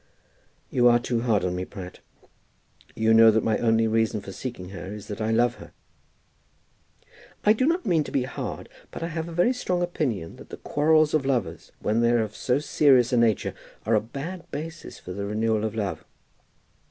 "You are too hard on me, Pratt. You know that my only reason for seeking her is that I love her." "I do not mean to be hard. But I have a very strong opinion that the quarrels of lovers, when they are of so very serious a nature, are a bad basis for the renewal of love.